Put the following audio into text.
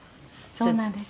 そうなんです。